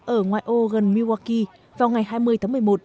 ở ngoài ô gần milwaukee vào ngày hai mươi tháng một mươi một